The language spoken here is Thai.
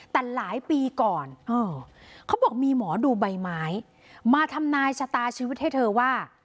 แต่หลายปีก่อนเขาบอกมีหมอดูใบไม้มาทำนายชะตาชีวิตให้เธอว่า